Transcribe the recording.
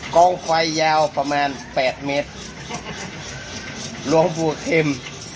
กองไฟยาวประมาณแปดเมตรหลวงปู่เอ็ม